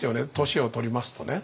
年を取りますとね。